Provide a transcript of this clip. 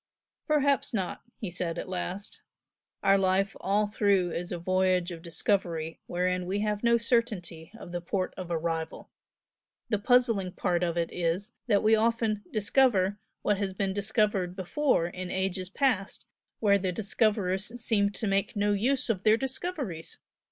"Perhaps not!" he said, at last "Our life all through is a voyage of discovery wherein we have no certainty of the port of arrival. The puzzling part of it is that we often 'discover' what has been discovered before in past ages where the discoverers seemed to make no use of their discoveries!